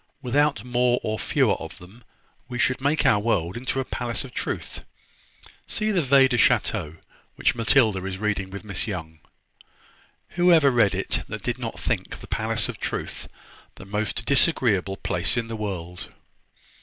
"Without more or fewer of them, we should make our world into a Palace of Truth, see the Veillees du Chateau, which Matilda is reading with Miss Young. Who ever read it, that did not think the Palace of Truth the most disagreeable place in the world?"